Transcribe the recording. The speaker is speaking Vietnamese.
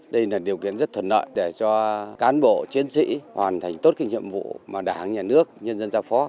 đây là điều kiện rất thuần nợ để cho cán bộ chiến sĩ hoàn thành tốt kinh nghiệm vụ mà đảng nhà nước nhân dân gia phó